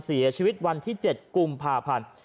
เสียชีวิตวันที่๗กุมภาพันธ์